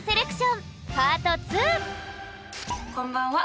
こんばんは。